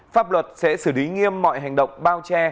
pháp luật sẽ xử lý nghiêm mọi hành động bao che